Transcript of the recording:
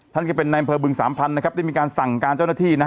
ท่านก็เป็นในอำเภอบึงสามพันธ์นะครับได้มีการสั่งการเจ้าหน้าที่